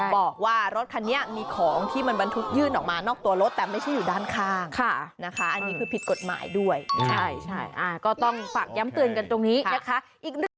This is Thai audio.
บอกว่ารถคันนี้มีของที่มันบรรทุกยื่นออกมานอกตัวรถแต่ไม่ใช่อยู่ด้านข้างค่ะนะคะอันนี้คือผิดกฎหมายด้วยใช่ใช่ก็ต้องฝากย้ำเตือนกันตรงนี้ค่ะอีก